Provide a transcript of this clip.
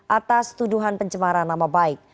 atas tuduhan pencemaran nama baik